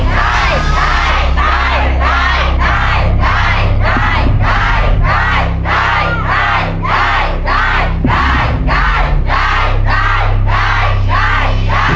ใจใจใจใจ